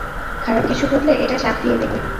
খারাপ কিছু ঘটলে, এটায় চাপ দিয়ে দেবে।